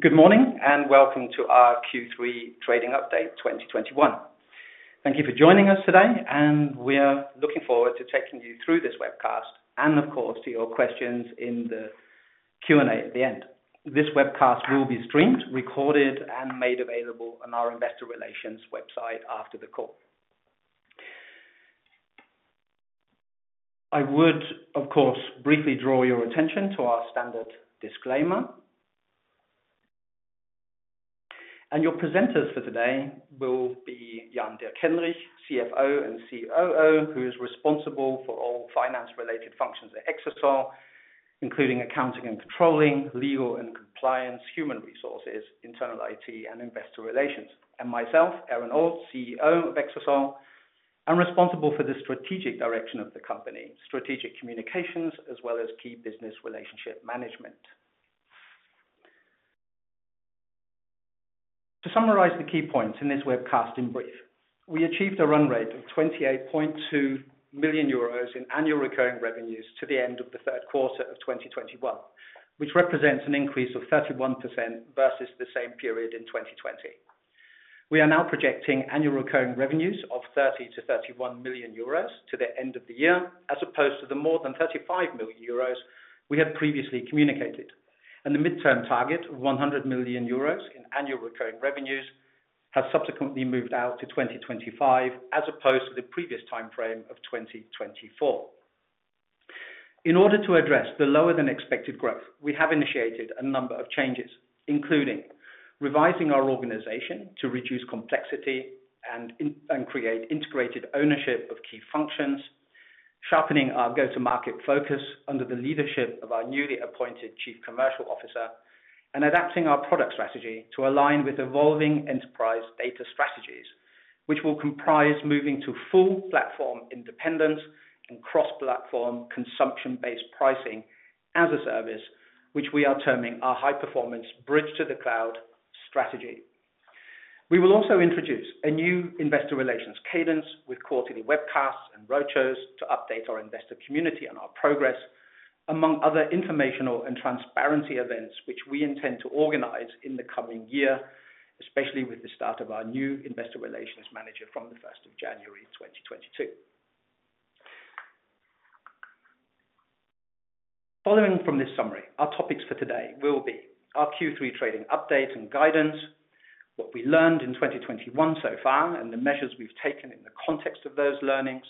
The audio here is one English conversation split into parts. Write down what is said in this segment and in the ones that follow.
Good morning, and welcome to our Q3 trading update 2021. Thank you for joining us today, and we are looking forward to taking you through this webcast and of course, to your questions in the Q&A at the end. This webcast will be streamed, recorded, and made available on our investor relations website after the call. I would, of course, briefly draw your attention to our standard disclaimer. Your presenters for today will be Jan-Dirk Henrich, CFO and COO, who is responsible for all finance-related functions at Exasol, including accounting and controlling, legal and compliance, human resources, internal IT, and investor relations. Myself, Aaron Auld, CEO of Exasol. I am responsible for the strategic direction of the company, strategic communications, as well as key business relationship management. To summarize the key points in this webcast in brief, we achieved a run rate of 28.2 million euros in annual recurring revenues to the end of the Q3 of 2021, which represents an increase of 31% versus the same period in 2020. We are now projecting annual recurring revenues of 30 million-31 million euros to the end of the year, as opposed to the more than 35 million euros we had previously communicated. The midterm target of 100 million euros in annual recurring revenues has subsequently moved out to 2025, as opposed to the previous timeframe of 2024. In order to address the lower-than-expected growth, we have initiated a number of changes, including revising our organization to reduce complexity and create integrated ownership of key functions; sharpening our go-to-market focus under the leadership of our newly appointed Chief Commercial Officer; and adapting our product strategy to align with evolving enterprise data strategies, which will comprise moving to full platform independence and cross-platform consumption-based pricing as a service, which we are terming our high-performance Bridge to the Cloud Strategy. We will also introduce a new investor relations cadence with quarterly webcasts and roadshows to update our investor community on our progress, among other informational and transparency events, which we intend to organize in the coming year, especially with the start of our new investor relations manager from the 1st of January 2022. Following from this summary, our topics for today will be our Q3 trading update and guidance, what we learned in 2021 so far, and the measures we've taken in the context of those learnings.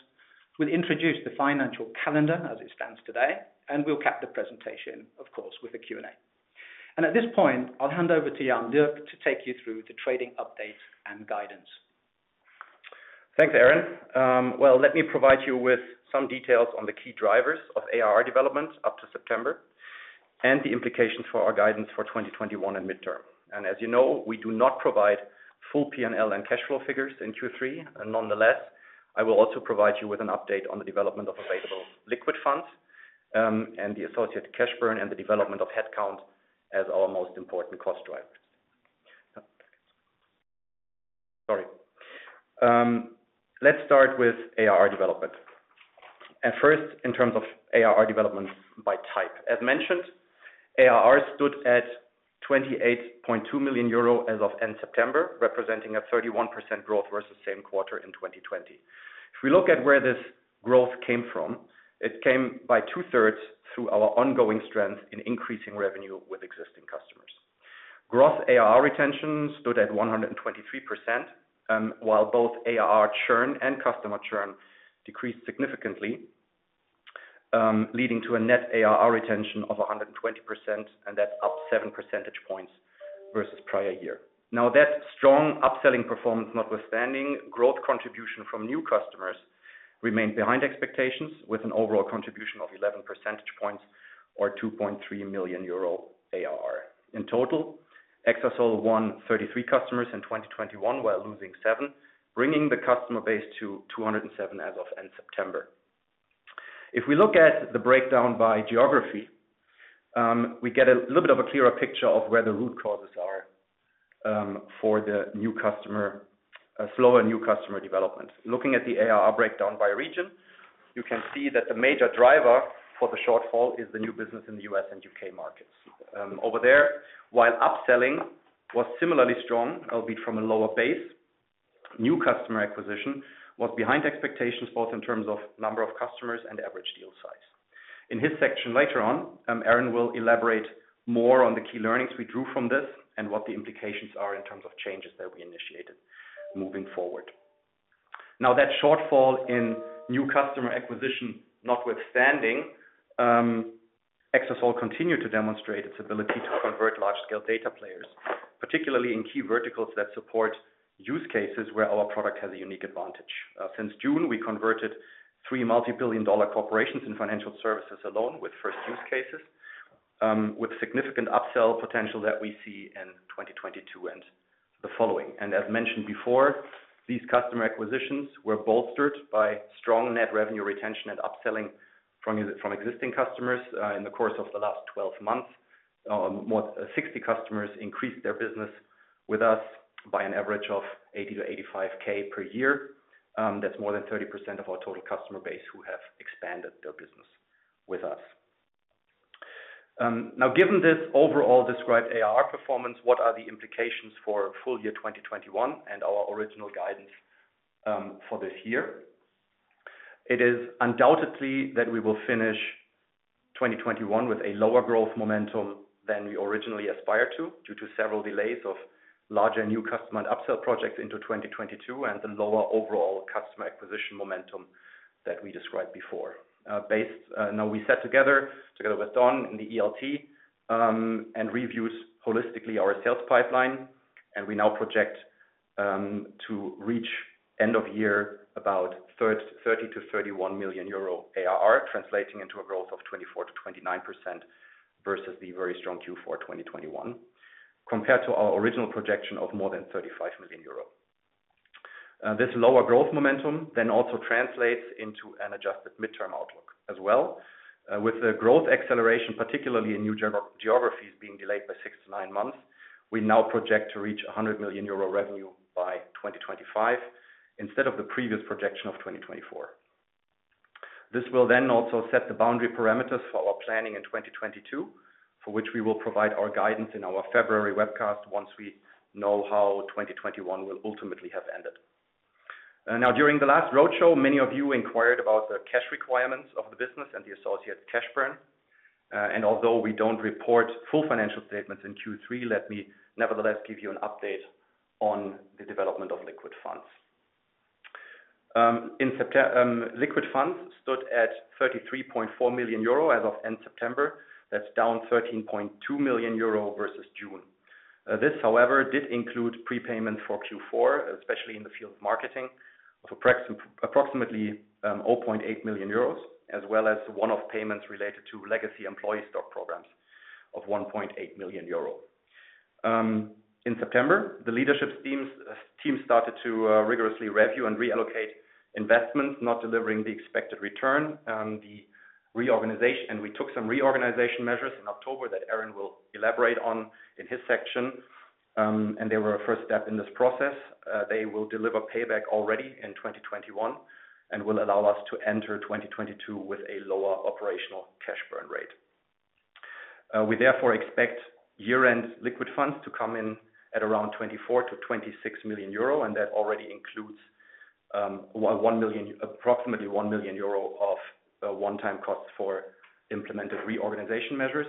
We'll introduce the financial calendar as it stands today, and we'll cap the presentation, of course, with a Q&A. At this point, I'll hand over to Jan-Dirk to take you through the trading update and guidance. Thanks, Aaron. Well, let me provide you with some details on the key drivers of ARR development up to September and the implications for our guidance for 2021 and midterm. As you know, we do not provide full P&L and cash flow figures in Q3. Nonetheless, I will also provide you with an update on the development of available liquid funds, and the associated cash burn and the development of headcount as our most important cost drivers. Sorry. Let's start with ARR development. First, in terms of ARR development by type. As mentioned, ARR stood at €28.2 million as of end September, representing a 31% growth versus same quarter in 2020. If we look at where this growth came from, it came by two-thirds through our ongoing strength in increasing revenue with existing customers. Gross ARR retention stood at 123%, while both ARR churn and customer churn decreased significantly, leading to a net ARR retention of 120%, and that's up seven percentage points versus prior year. Now, that strong upselling performance notwithstanding, growth contribution from new customers remained behind expectations with an overall contribution of 11 percentage points or 2.3 million euro ARR. In total, Exasol won 33 customers in 2021 while losing seven, bringing the customer base to 207 as of end September. If we look at the breakdown by geography, we get a little bit of a clearer picture of where the root causes are for the slower new customer development. Looking at the ARR breakdown by region, you can see that the major driver for the shortfall is the new business in the U.S. and U.K. markets. Over there, while upselling was similarly strong, albeit from a lower base, new customer acquisition was behind expectations, both in terms of number of customers and average deal size. In his section later on, Aaron will elaborate more on the key learnings we drew from this and what the implications are in terms of changes that we initiated moving forward. Now, that shortfall in new customer acquisition notwithstanding, Exasol continued to demonstrate its ability to convert large-scale data players, particularly in key verticals that support use cases where our product has a unique advantage. Since June, we converted 3 multi-billion EUR corporations in financial services alone with first use cases, with significant upsell potential that we see in 2022 and the following. As mentioned before, these customer acquisitions were bolstered by strong net revenue retention and upselling from existing customers. In the course of the last 12 months, more than 60 customers increased their business with us by an average of EUR 80K-85K per year. That's more than 30% of our total customer base who have expanded their business with us. Now, given this overall described ARR performance, what are the implications for full year 2021 and our original guidance for this year? It is undoubtedly that we will finish 2021 with a lower growth momentum than we originally aspired to, due to several delays of larger new customer and upsell projects into 2022, and the lower overall customer acquisition momentum that we described before. We sat together with Don and the ELT, and reviewed holistically our sales pipeline, and we now project to reach end of year about 30 million-31 million euro ARR, translating into a growth of 24%-29% versus the very strong Q4 2021, compared to our original projection of more than 35 million euro. This lower growth momentum also translates into an adjusted midterm outlook as well. With the growth acceleration, particularly in new geographies being delayed by six to nine months, we now project to reach 100 million euro revenue by 2025 instead of the previous projection of 2024. This will also set the boundary parameters for our planning in 2022, for which we will provide our guidance in our February webcast, once we know how 2021 will ultimately have ended. Now, during the last roadshow, many of you inquired about the cash requirements of the business and the associated cash burn. Although we don't report full financial statements in Q3, let me nevertheless give you an update on the development of liquid funds. Liquid funds stood at 33.4 million euro as of end September. That's down 13.2 million euro versus June. This, however, did include prepayment for Q4, especially in the field of marketing, of approximately 0.8 million euros, as well as one-off payments related to legacy employee stock programs of 1.8 million euro. In September, the leadership team started to rigorously review and reallocate investments not delivering the expected return, and we took some reorganization measures in October that Aaron Auld will elaborate on in his section, and they were a first step in this process. They will deliver payback already in 2021 and will allow us to enter 2022 with a lower operational cash burn rate. We therefore expect year-end liquid funds to come in at around 24 million-26 million euro. That already includes approximately 1 million euro of one-time costs for implemented reorganization measures.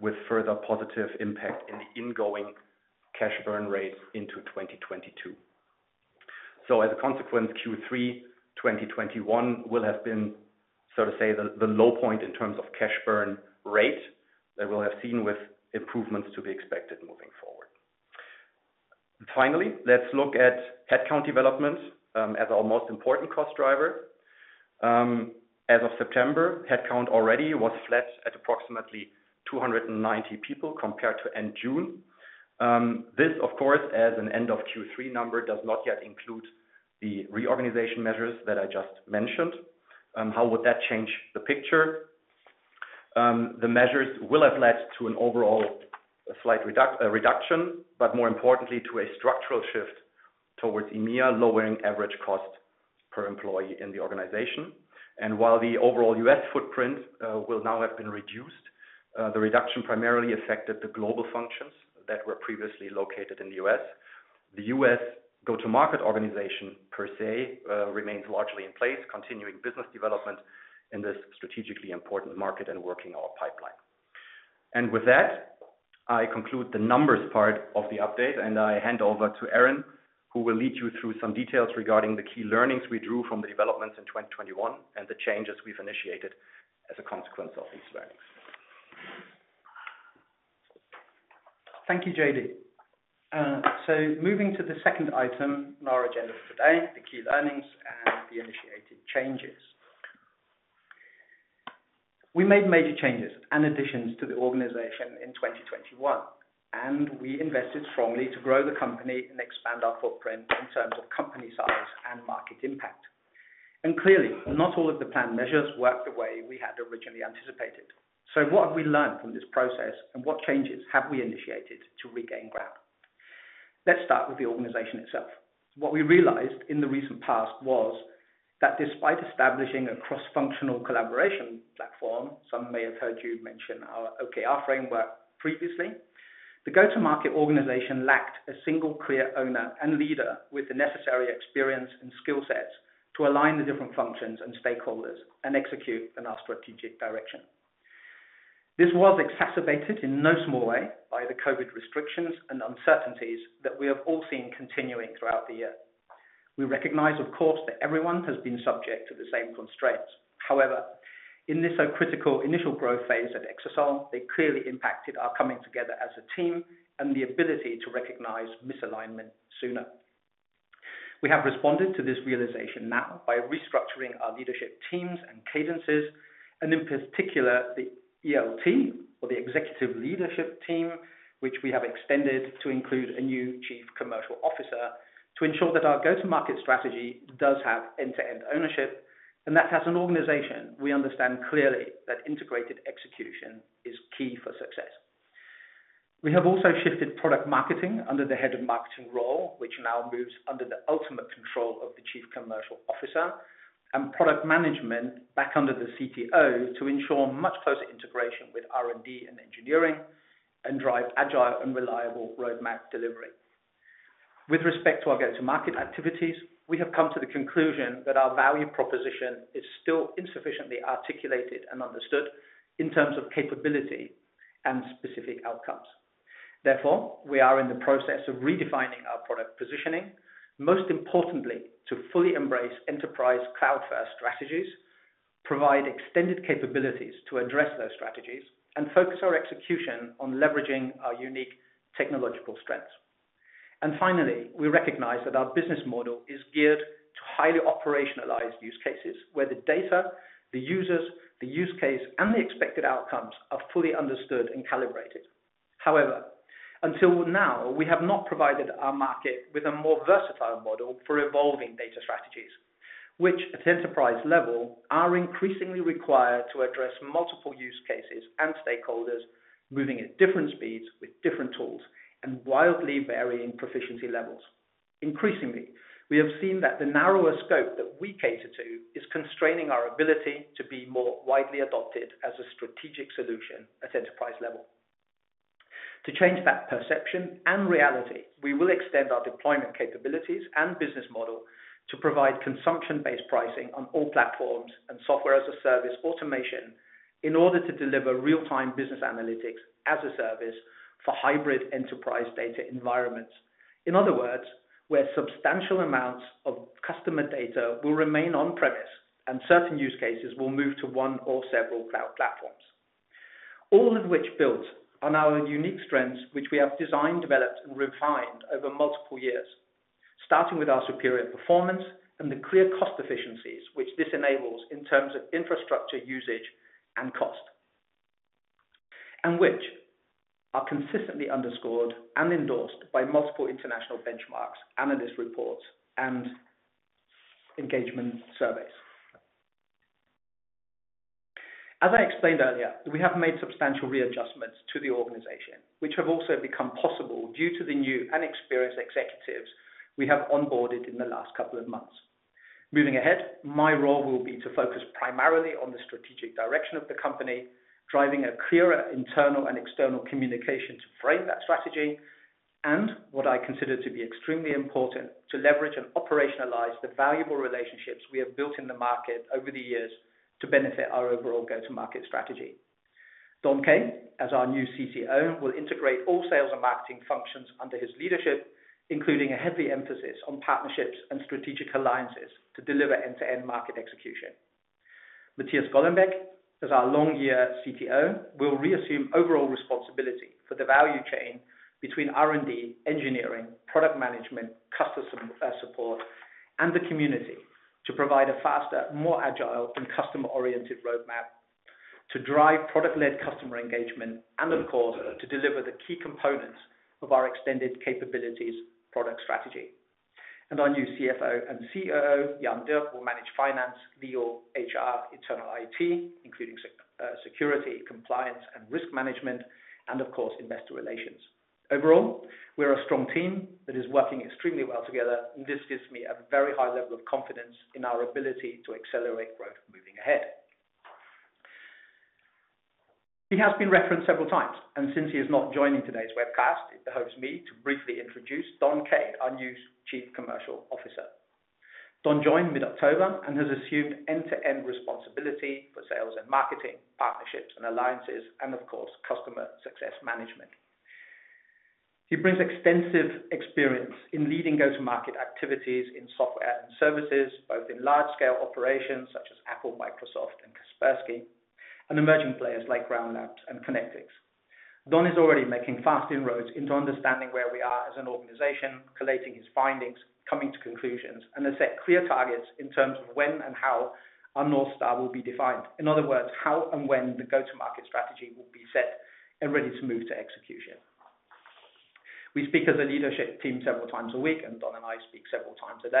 With further positive impact in the ingoing cash burn rate into 2022. As a consequence, Q3 2021 will have been, so to say, the low point in terms of cash burn rate that we'll have seen with improvements to be expected moving forward. Let's look at headcount development as our most important cost driver. As of September, headcount already was flat at approximately 290 people compared to end June. This, of course, as an end of Q3 number, does not yet include the reorganization measures that I just mentioned. How would that change the picture? The measures will have led to an overall slight reduction. More importantly, to a structural shift towards EMEA, lowering average cost per employee in the organization. While the overall U.S. footprint will now have been reduced, the reduction primarily affected the global functions that were previously located in the U.S. The U.S. go-to-market organization per se remains largely in place, continuing business development in this strategically important market and working our pipeline. With that, I conclude the numbers part of the update. I hand over to Aaron Auld, who will lead you through some details regarding the key learnings we drew from the developments in 2021 and the changes we've initiated as a consequence of these learnings. Thank you, JD. Moving to the second item on our agenda for today, the key learnings and the initiated changes. We made major changes and additions to the organization in 2021, and we invested strongly to grow the company and expand our footprint in terms of company size and market impact. Clearly, not all of the planned measures worked the way we had originally anticipated. What have we learned from this process, and what changes have we initiated to regain ground? Let's start with the organization itself. What we realized in the recent past was that despite establishing a cross-functional collaboration platform, some may have heard you mention our OKR framework previously, the go-to-market organization lacked a single clear owner and leader with the necessary experience and skill sets to align the different functions and stakeholders and execute on our strategic direction. This was exacerbated in no small way by the COVID restrictions and uncertainties that we have all seen continuing throughout the year. We recognize, of course, that everyone has been subject to the same constraints. However, in this so critical initial growth phase at Exasol, they clearly impacted our coming together as a team and the ability to recognize misalignment sooner. We have responded to this realization now by restructuring our leadership teams and cadences, and in particular, the ELT, or the executive leadership team, which we have extended to include a new Chief Commercial Officer to ensure that our go-to-market strategy does have end-to-end ownership, and that as an organization, we understand clearly that integrated execution is key for success. We have also shifted product marketing under the head of marketing role, which now moves under the ultimate control of the Chief Commercial Officer, and product management back under the CTO to ensure much closer integration with R&D and engineering and drive agile and reliable roadmap delivery. With respect to our go-to-market activities, we have come to the conclusion that our value proposition is still insufficiently articulated and understood in terms of capability and specific outcomes. Therefore, we are in the process of redefining our product positioning, most importantly, to fully embrace enterprise cloud-first strategies, provide extended capabilities to address those strategies, and focus our execution on leveraging our unique technological strengths. Finally, we recognize that our business model is geared to highly operationalize use cases where the data, the users, the use case, and the expected outcomes are fully understood and calibrated. However, until now, we have not provided our market with a more versatile model for evolving data strategies, which at enterprise level are increasingly required to address multiple use cases and stakeholders moving at different speeds with different tools and wildly varying proficiency levels. Increasingly, we have seen that the narrower scope that we cater to is constraining our ability to be more widely adopted as a strategic solution at enterprise level. To change that perception and reality, we will extend our deployment capabilities and business model to provide consumption-based pricing on all platforms and software-as-a-service automation in order to deliver real-time business analytics as a service for hybrid enterprise data environments. In other words, where substantial amounts of customer data will remain on-premise and certain use cases will move to one or several cloud platforms, all of which built on our unique strengths, which we have designed, developed, and refined over multiple years, starting with our superior performance and the clear cost efficiencies which this enables in terms of infrastructure usage and cost, and which are consistently underscored and endorsed by multiple international benchmarks, analyst reports, and engagement surveys. As I explained earlier, we have made substantial readjustments to the organization, which have also become possible due to the new and experienced executives we have onboarded in the last couple of months. Moving ahead, my role will be to focus primarily on the strategic direction of the company, driving a clearer internal and external communication to frame that strategy, and what I consider to be extremely important, to leverage and operationalize the valuable relationships we have built in the market over the years to benefit our overall go-to-market strategy. Don Kaye, as our new CCO, will integrate all sales and marketing functions under his leadership, including a heavy emphasis on partnerships and strategic alliances to deliver end-to-end market execution. Mathias Golombek, as our long-year CTO, will reassume overall responsibility for the value chain between R&D, engineering, product management, customer support, and the community to provide a faster, more agile, and customer-oriented roadmap to drive product-led customer engagement, of course, to deliver the key components of our extended capabilities product strategy. Our new CFO and COO, Jan Dirk, will manage finance, legal, HR, internal IT, including security, compliance and risk management, of course, investor relations. Overall, we are a strong team that is working extremely well together, and this gives me a very high level of confidence in our ability to accelerate growth moving ahead. He has been referenced several times, and since he is not joining today's webcast, it behoves me to briefly introduce Don Kaye, our new Chief Commercial Officer. Don joined mid-October and has assumed end-to-end responsibility for sales and marketing, partnerships and alliances, and of course, customer success management. He brings extensive experience in leading go-to-market activities in software and services, both in large-scale operations such as Apple, Microsoft, and Kaspersky, and emerging players like Roundups and Connectics. Don is already making fast inroads into understanding where we are as an organization, collating his findings, coming to conclusions, and has set clear targets in terms of when and how our North Star will be defined. In other words, how and when the go-to-market strategy will be set and ready to move to execution. We speak as a leadership team several times a week, and Don and I speak several times a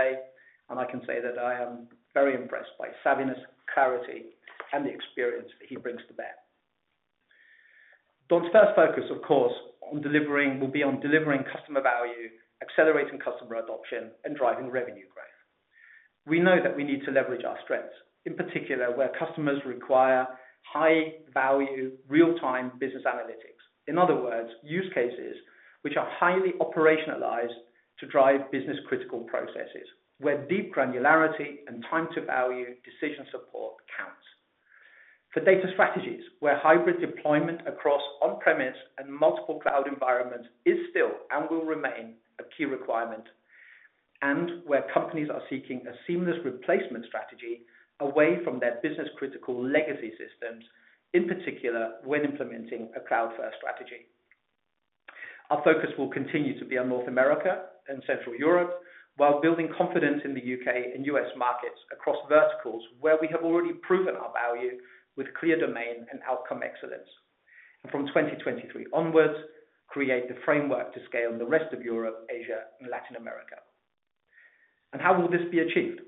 day, and I can say that I am very impressed by his savviness, clarity, and the experience that he brings to bear. Don's first focus, of course, will be on delivering customer value, accelerating customer adoption, and driving revenue growth. We know that we need to leverage our strengths, in particular, where customers require high-value, real-time business analytics. In other words, use cases which are highly operationalized to drive business-critical processes where deep granularity and time-to-value decision support counts. For data strategies where hybrid deployment across on-premises and multiple cloud environments is still, and will remain, a key requirement, and where companies are seeking a seamless replacement strategy away from their business-critical legacy systems, in particular, when implementing a cloud-first strategy. Our focus will continue to be on North America and Central Europe while building confidence in the U.K. and U.S. markets across verticals where we have already proven our value with clear domain and outcome excellence. From 2023 onwards, create the framework to scale in the rest of Europe, Asia, and Latin America. How will this be achieved?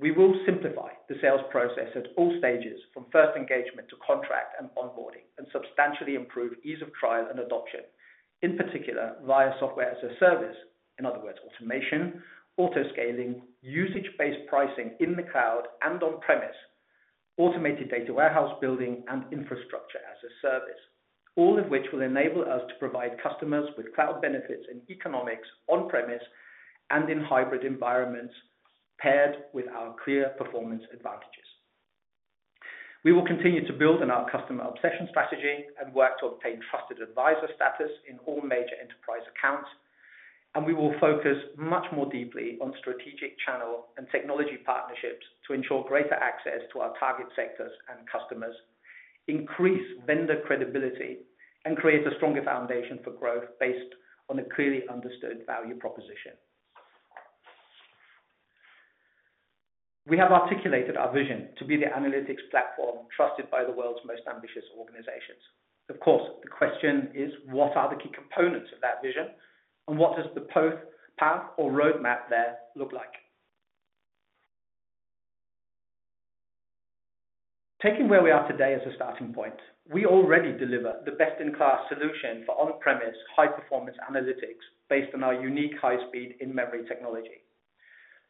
We will simplify the sales process at all stages, from first engagement to contract and onboarding, and substantially improve ease of trial and adoption. In particular, via software-as-a-service, in other words, automation, auto-scaling, usage-based pricing in the cloud and on-premise, automated data warehouse building and infrastructure-as-a-service, all of which will enable us to provide customers with cloud benefits and economics on-premise and in hybrid environments, paired with our clear performance advantages. We will continue to build on our customer obsession strategy and work to obtain trusted advisor status in all major enterprise accounts. We will focus much more deeply on strategic channel and technology partnerships to ensure greater access to our target sectors and customers, increase vendor credibility, and create a stronger foundation for growth based on a clearly understood value proposition. We have articulated our vision to be the analytics platform trusted by the world's most ambitious organizations. Of course, the question is, what are the key components of that vision, and what does the path or roadmap there look like? Taking where we are today as a starting point, we already deliver the best-in-class solution for on-premises high-performance analytics based on our unique high-speed in-memory technology.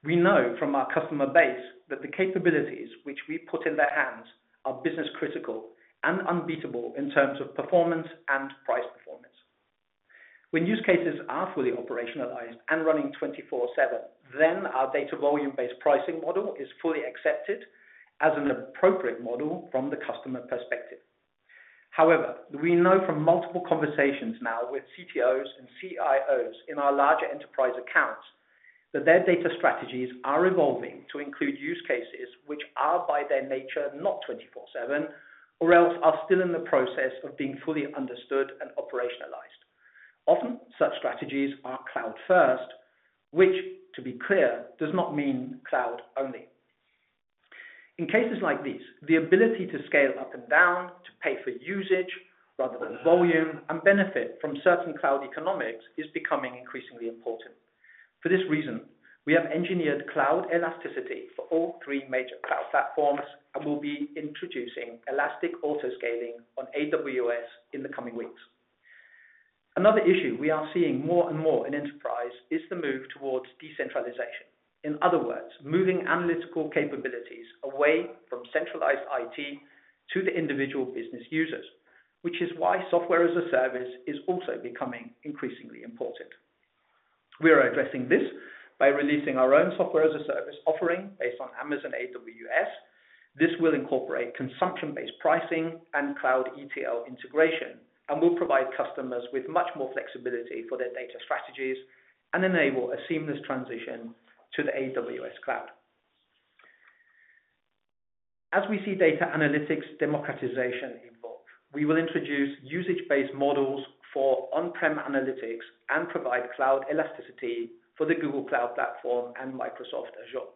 We know from our customer base that the capabilities which we put in their hands are business critical and unbeatable in terms of performance and price performance. When use cases are fully operationalized and running 24/7, our data volume-based pricing model is fully accepted as an appropriate model from the customer perspective. However, we know from multiple conversations now with CTOs and CIOs in our larger enterprise accounts that their data strategies are evolving to include use cases which are, by their nature, not 24/7, or else are still in the process of being fully understood and operationalized. Such strategies are cloud first, which, to be clear, does not mean cloud only. In cases like these, the ability to scale up and down, to pay for usage rather than volume, and benefit from certain cloud economics is becoming increasingly important. For this reason, we have engineered cloud elasticity for all three major cloud platforms and will be introducing elastic auto-scaling on AWS in the coming weeks. Another issue we are seeing more and more in enterprise is the move towards decentralization. In other words, moving analytical capabilities away from centralized IT to the individual business users, which is why software-as-a-service is also becoming increasingly important. We are addressing this by releasing our own software-as-a-service offering based on Amazon AWS. This will incorporate consumption-based pricing and cloud ETL integration and will provide customers with much more flexibility for their data strategies and enable a seamless transition to the AWS cloud. As we see data analytics democratization evolve, we will introduce usage-based models for on-prem analytics and provide cloud elasticity for the Google Cloud Platform and Microsoft Azure.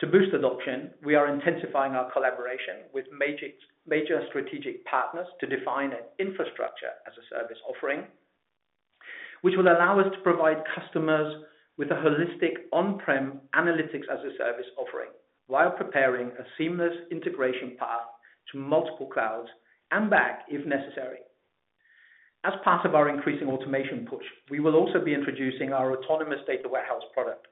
To boost adoption, we are intensifying our collaboration with major strategic partners to define an infrastructure-as-a-service offering, which will allow us to provide customers with a holistic on-prem analytics-as-a-service offering while preparing a seamless integration path to multiple clouds and back if necessary. As part of our increasing automation push, we will also be introducing our autonomous data warehouse product,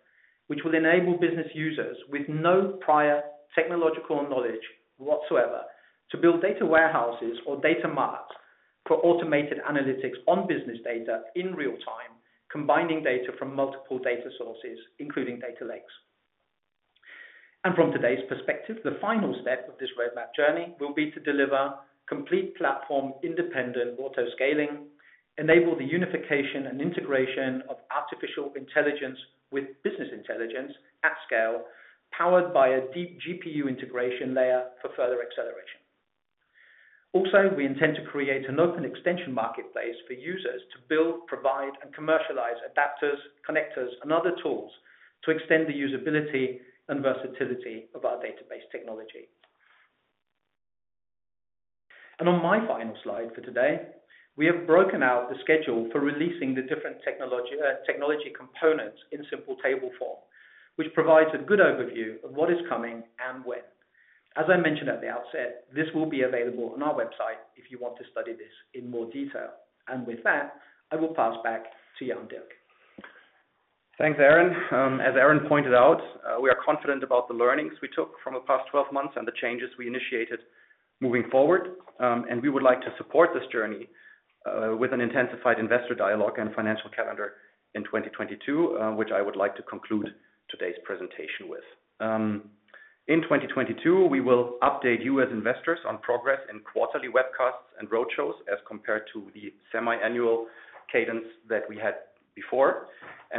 which will enable business users with no prior technological knowledge whatsoever to build data warehouses or data mart for automated analytics on business data in real time, combining data from multiple data sources, including data lakes. From today's perspective, the final step of this roadmap journey will be to deliver complete platform-independent auto-scaling, enable the unification and integration of artificial intelligence with business intelligence at scale, powered by a deep GPU integration layer for further acceleration. We intend to create an open extension marketplace for users to build, provide, and commercialize adapters, connectors, and other tools to extend the usability and versatility of our database technology. On my final slide for today, we have broken out the schedule for releasing the different technology components in simple table form, which provides a good overview of what is coming and when. As I mentioned at the outset, this will be available on our website if you want to study this in more detail. With that, I will pass back to Jan-Dirk. Thanks, Aaron. As Aaron pointed out, we are confident about the learnings we took from the past 12 months and the changes we initiated moving forward, and we would like to support this journey with an intensified investor dialogue and financial calendar in 2022, which I would like to conclude today's presentation with. In 2022, we will update you as investors on progress in quarterly webcasts and roadshows as compared to the semi-annual cadence that we had before.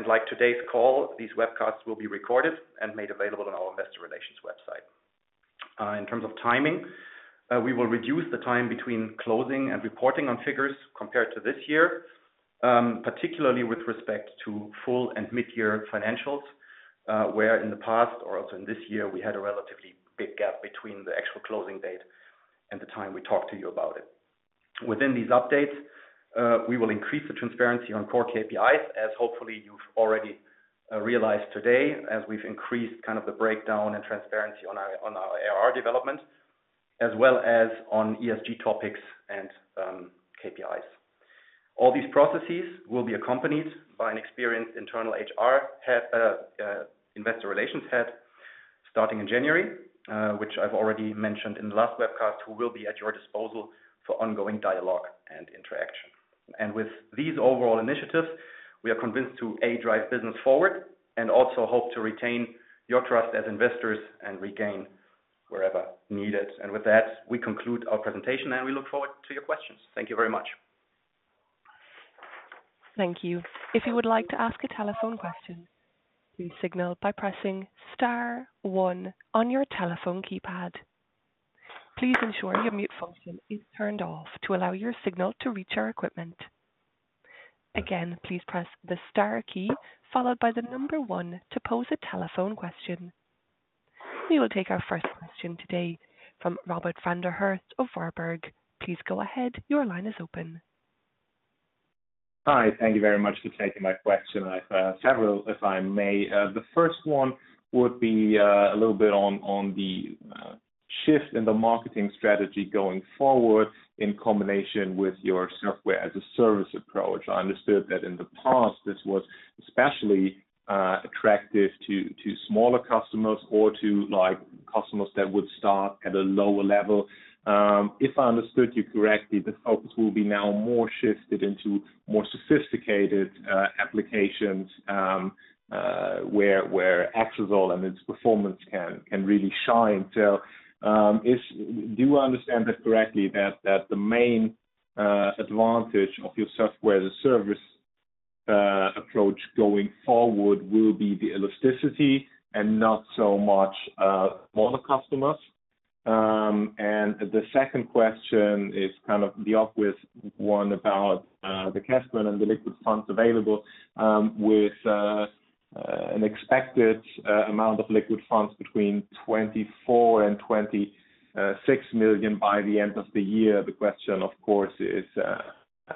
Like today's call, these webcasts will be recorded and made available on our investor relations website. In terms of timing, we will reduce the time between closing and reporting on figures compared to this year, particularly with respect to full and mid-year financials, where in the past or also in this year, we had a relatively big gap between the actual closing date and the time we talked to you about it. Within these updates, we will increase the transparency on core KPIs as hopefully you've already realized today as we've increased the breakdown and transparency on our ARR development, as well as on ESG topics and KPIs. All these processes will be accompanied by an experienced internal investor relations head starting in January, which I've already mentioned in the last webcast, who will be at your disposal for ongoing dialogue and interaction. With these overall initiatives, we are convinced to, A, drive business forward and also hopes to retain your trust as investors and regain wherever needed. With that, we conclude our presentation and we look forward to your questions. Thank you very much. Thank you. If you would like to ask a telephone question, please signal by pressing star one on your telephone keypad. Please ensure your mute option is turned off to allow your signal to reach our equipment. Again, please press the star key followed by the number one, to pose a telephone question. We will take our first question today from Robert-Jan van der Horst of Warburg. Please go ahead. Your line is open. Hi. Thank you very much for taking my question. I have several, if I may. The first one would be a little bit on the shift in the marketing strategy going forward in combination with your software as a service approach. I understood that in the past, this was especially attractive to smaller customers or to customers that would start at a lower level. If I understood you correctly, the focus will be now more shifted into more sophisticated applications, where Exasol and its performance can really shine. Do I understand that correctly, that the main advantage of your software as a service approach going forward will be the elasticity and not so much smaller customers? The second question is kind of the obvious one about the cash burn and the liquid funds available, with an expected amount of liquid funds between 24 million and 26 million by the end of the year. The question, of course, is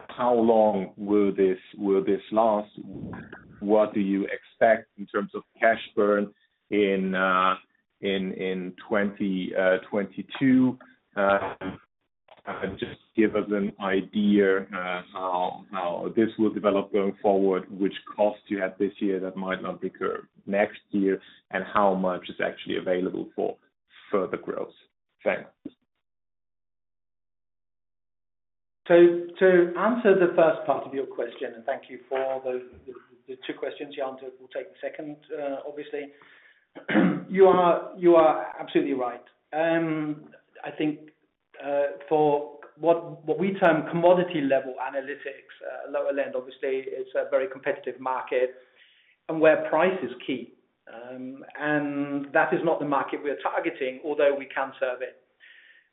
how long will this last? What do you expect in terms of cash burn in 2022? Just give us an idea how this will develop going forward, which costs you had this year that might not recur next year, and how much is actually available for further growth. Thanks. To answer the first part of your question, thank you for the two questions, Jan, we'll take the second, obviously. You are absolutely right. I think, for what we term commodity-level analytics, lower end, obviously, it's a very competitive market, and where price is key. That is not the market we are targeting, although we can serve it.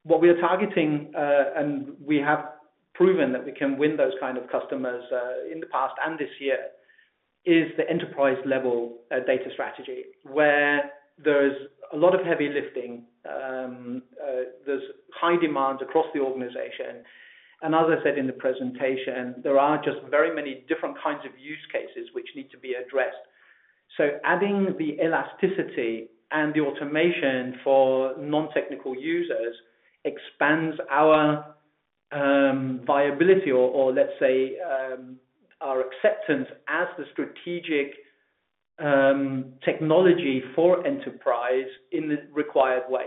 What we are targeting, and we have proven that we can win those kinds of customers, in the past and this year, is the enterprise-level data strategy, where there's a lot of heavy lifting. There's high demand across the organization. As I said in the presentation, there are just very many different kinds of use cases which need to be addressed. Adding the elasticity and the automation for non-technical users expands our viability or, let's say, our acceptance as the strategic technology for enterprise in the required way.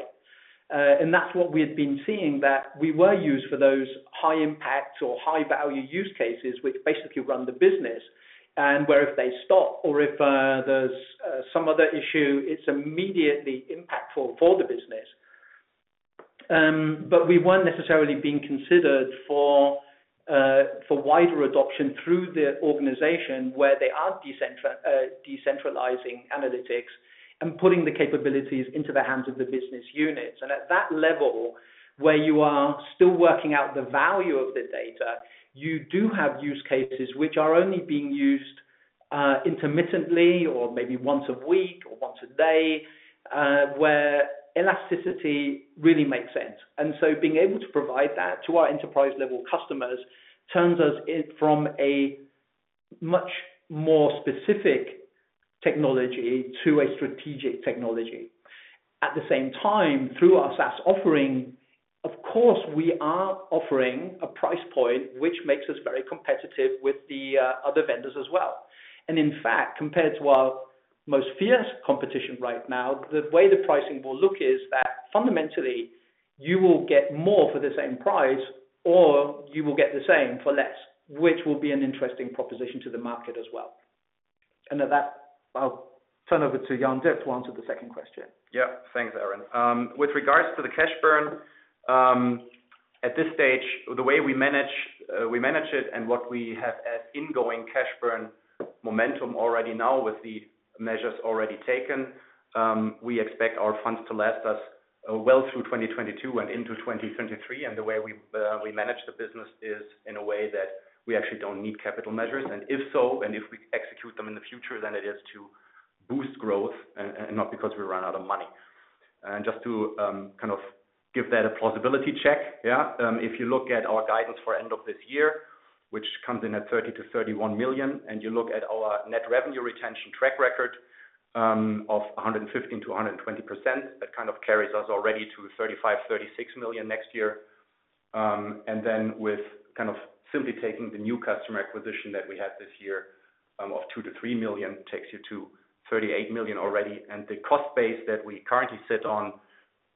That's what we had been seeing that we were used for those high-impact or high-value use cases, which basically run the business, and where if they stop or if there's some other issue, it's immediately impactful for the business. We weren't necessarily being considered for wider adoption through the organization where they are decentralizing analytics and putting the capabilities into the hands of the business units. At that level, where you are still working out the value of the data, you do have use cases which are only being used intermittently or maybe once a week or once a day, where elasticity really makes sense. Being able to provide that to our enterprise-level customers turns us from a much more specific technology to a strategic technology. At the same time, through our SaaS offering, of course, we are offering a price point which makes us very competitive with the other vendors as well. In fact, compared to our most fierce competition right now, the way the pricing will look is that fundamentally, you will get more for the same price, or you will get the same for less, which will be an interesting proposition to the market as well. At that, I'll turn over to Jan-Dirk Henrich to answer the second question. Thanks, Aaron Auld. With regards to the cash burn, at this stage, the way we manage it and what we have as ingoing cash burn momentum already now with the measures already taken, we expect our funds to last us well through 2022 and into 2023. The way we manage the business is in a way that we actually don't need capital measures. If so, and if we execute them in the future, then it is to boost growth and not because we ran out of money. Just to give that a plausibility check. If you look at our guidance for end of this year, which comes in at 30-31 million, and you look at our net revenue retention track record of 115%-120%, that carries us already to 35-36 million next year. With simply taking the new customer acquisition that we had this year of 2-3 million takes you to 38 million already. The cost base that we currently sit on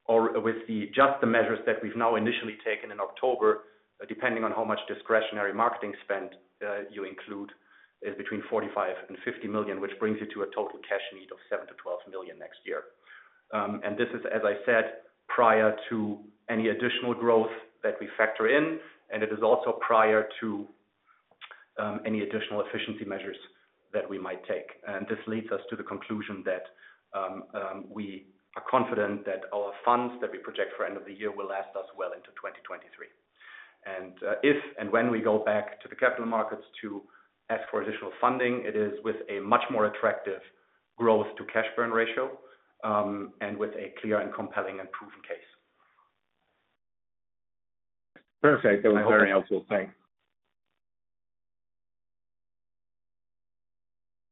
or with just the measures that we've now initially taken in October, depending on how much discretionary marketing spend you include, is between 45 million and 50 million, which brings you to a total cash need of 7-12 million next year. This is, as I said, prior to any additional growth that we factor in, and it is also prior to any additional efficiency measures that we might take. This leads us to the conclusion that we are confident that our funds that we project for end of the year will last us well into 2023. If and when we go back to the capital markets to ask for additional funding, it is with a much more attractive growth to cash burn ratio, and with a clear and compelling and proven case. Perfect. That was very helpful. Thanks.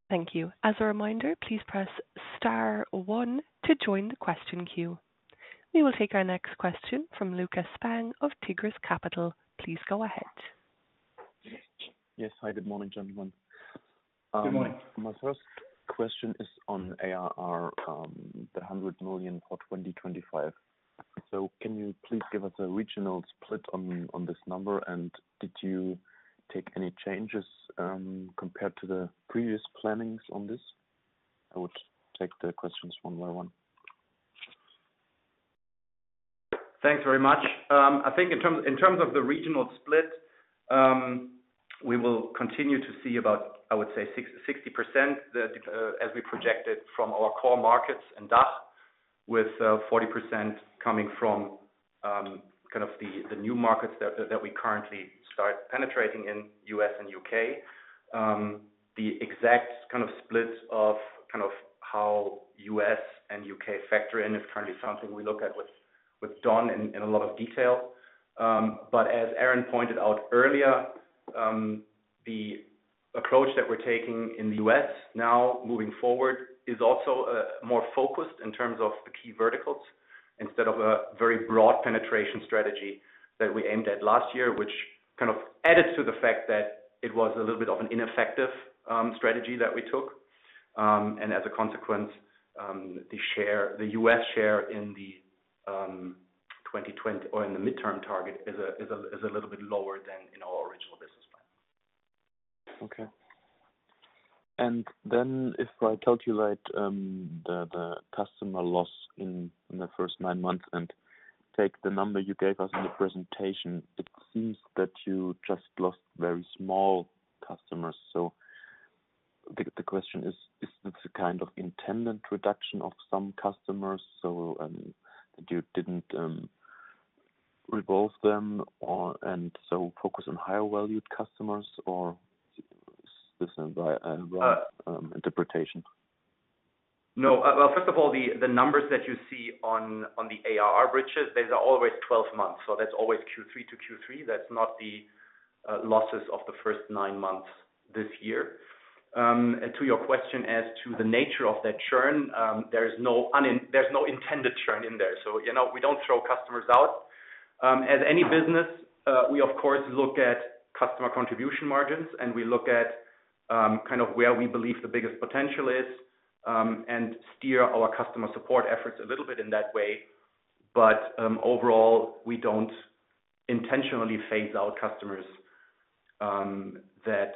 Thank you. As a reminder, please press star one to join the question queue. We will take our next question from Lukas Spang of Tigris Capital. Please go ahead. Yes. Hi, good morning, gentlemen. Good morning. My first question is on ARR, the 100 million for 2025. Can you please give us a regional split on this number? Did you take any changes, compared to the previous plans on this? I would take the questions one by one. Thanks very much. I think in terms of the regional split, we will continue to see about, I would say, 60% as we projected from our core markets in DACH, with 40% coming from the new markets that we currently start penetrating in U.S. and U.K. The exact splits of how U.S. and U.K. factor in something we are currently looking at with Don in a lot of detail. As Erin pointed out earlier, the approach that we're taking in the U.S. now moving forward is also more focused in terms of the key verticals instead of a very broad penetration strategy that we aimed at last year, which kind of added to the fact that it was a little bit of an ineffective strategy that we took. As a consequence, the U.S. share in the midterm target is a little bit lower than in our original business plan. Okay. If I told you the customer loss in the first nine months and take the number you gave us in the presentation, it seems that you just lost very small customers. The question is this a kind of intended reduction of some customers? You didn't revolve them and so focus on higher valued customers or is this a wrong interpretation? No. Well, first of all, the numbers that you see on the ARR bridges, those are always 12 months. That's always Q3-Q3. That's not the losses of the first nine months this year. To your question as to the nature of that churn, there's no intended churn in there. We don't throw customers out. As any business, we of course look at customer contribution margins, and we look at where we believe the biggest potential is and steer our customer support efforts a little bit in that way. Overall, we don't intentionally phase out customers that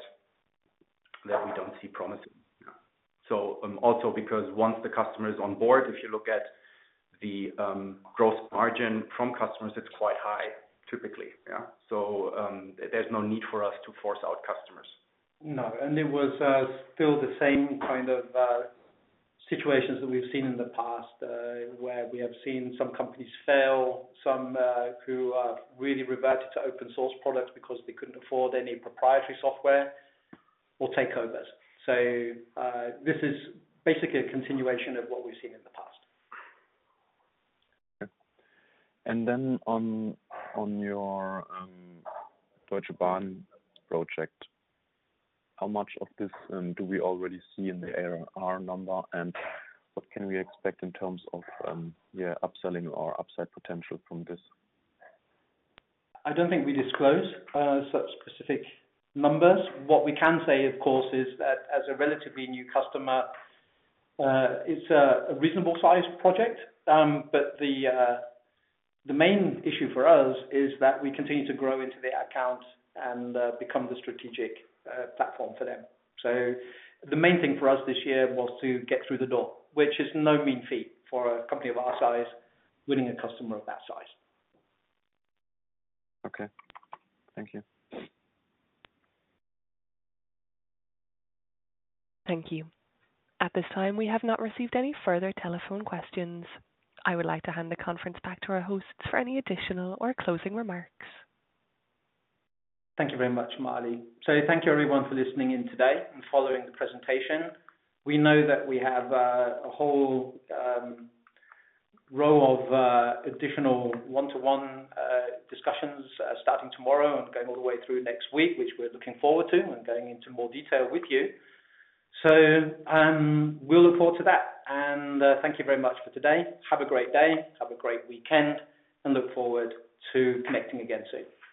we don't see promising. Also, because once the customer is on board, if you look at the gross margin from customers, it's quite high typically. There's no need for us to force out customers. No. It was still the same kind of situations that we've seen in the past, where we have seen some companies fail, some who have really reverted to open-source products because they couldn't afford any proprietary software or takeovers. This is basically a continuation of what we've seen in the past. Okay. On your Deutsche Bahn project, how much of this do we already see in the ARR number, and what can we expect in terms of upselling or upside potential from this? I don't think we disclose such specific numbers. What we can say, of course, is that as a relatively new customer, it's a reasonably sized project. The main issue for us is that we continue to grow into the account and become the strategic platform for them. The main thing for us this year was to get through the door, which is no mean feat for a company of our size, winning a customer of that size. Okay. Thank you. Thank you. At this time, we have not received any further telephone questions. I would like to hand the conference back to our hosts for any additional or closing remarks. Thank you very much, Molly. Thank you everyone for listening in today and following the presentation. We know that we have a whole row of additional one-to-one discussions starting tomorrow and going all the way through next week, which we're looking forward to, and going into more detail with you. We'll look forward to that. Thank you very much for today. Have a great day, have a great weekend, and look forward to connecting again soon.